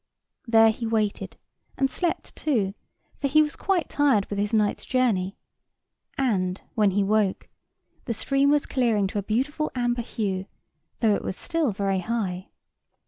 There he waited, and slept too, for he was quite tired with his night's journey; and, when he woke, the stream was clearing to a beautiful amber hue, though it was still very high.